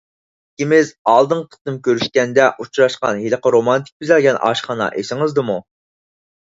ئىككىمىز ئالدىنقى قېتىم كۆرۈشكەندە ئۇچراشقان ھېلىقى رومانتىك بېزەلگەن ئاشخانا ئېسىڭىزدىمۇ؟